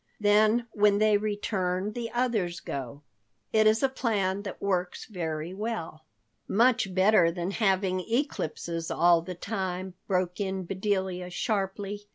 Then when they return the others go. It is a plan that works very well." "Much better than having eclipses all the time," broke in Bedelia sharply.